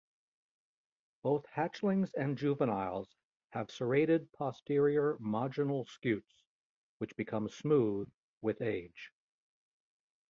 Both hatchlings and juveniles have serrated posterior marginal scutes, which become smooth with age.